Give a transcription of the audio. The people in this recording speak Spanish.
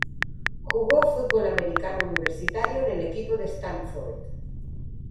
Jugó fútbol americano universitario en el equipo de Stanford.